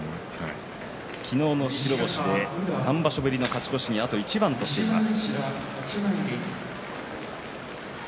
昨日の白星で３場所ぶりの勝ち越しにあと一番としています。